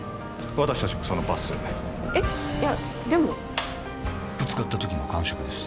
私たちもそのバスへえっいやでもぶつかった時の感触です